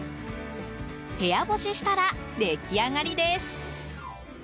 部屋干ししたら出来上がりです。